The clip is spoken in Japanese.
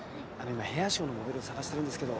今ヘアショーのモデルを探してるんですけど。